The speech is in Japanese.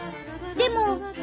でも。